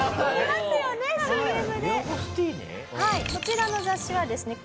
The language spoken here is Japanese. こちらの雑誌はですね